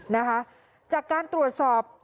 นะคะจากการตรวจสอบ